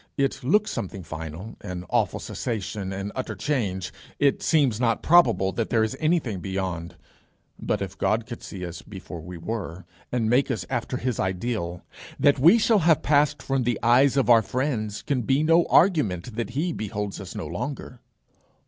It looks something final, an awful cessation, an utter change. It seems not probable that there is anything beyond. But if God could see us before we were, and make us after his ideal, that we shall have passed from the eyes of our friends can be no argument that he beholds us no longer.